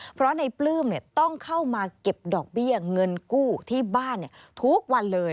เพราะในปลื้มต้องเข้ามาเก็บดอกเบี้ยเงินกู้ที่บ้านทุกวันเลย